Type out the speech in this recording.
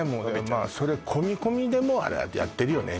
まあそれ込み込みでもうやってるよね